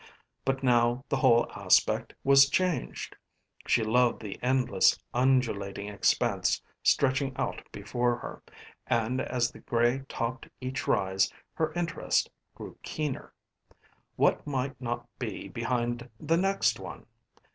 But now the whole aspect was changed. She loved the endless, undulating expanse stretching out before her, and as the grey topped each rise her interest grew keener. What might not be behind the next one?